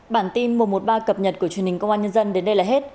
bản tin một trăm một mươi ba cập nhật của truyền hình công an nhân dân đến đây là hết